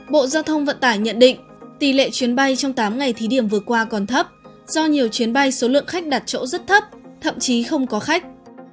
bộ giao thông vận tải nhận định tỷ lệ chuyến bay trong tám ngày thí điểm vừa qua còn thấp do nhiều chuyến bay số lượng khách đặt chỗ rất thấp thậm chí không có khách